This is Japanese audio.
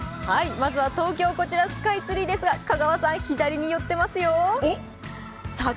まずは東京、こちらスカイツリーですが、左に寄ってますよ。